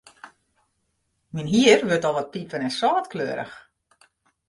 Myn hier wurdt al wat piper-en-sâltkleurich.